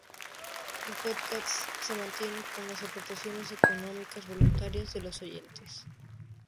El podcast se mantiene con las aportaciones económicas, voluntarias, de los oyentes.